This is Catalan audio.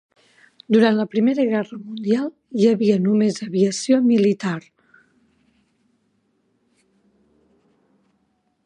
Durant la Primera Guerra Mundial, hi havia només aviació militar.